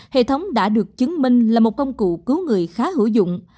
hệ thống đã được chứng minh là một công cụ cứu người khá hữu dụng